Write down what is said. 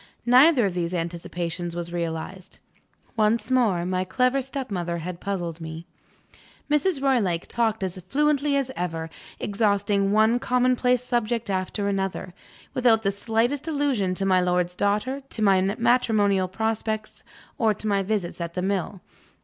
Neither of these anticipations was realized. Once more, my clever stepmother had puzzled me. Mrs. Roylake talked as fluently as ever; exhausting one common place subject after another, without the slightest allusion to my lord's daughter, to my matrimonial prospects, or to my visits at the mill.